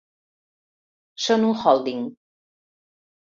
Són un holding.